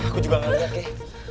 aku juga gak tahu kei